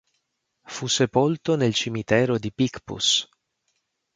Fu sepolto nel cimitero di Picpus.